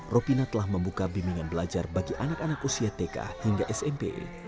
ropina telah membuka bimbingan belajar bagi anak anak usia tk hingga smp